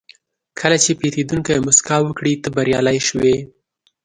کله چې پیرودونکی موسکا وکړي، ته بریالی شوې.